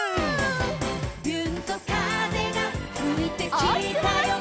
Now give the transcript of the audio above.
「びゅーんと風がふいてきたよ」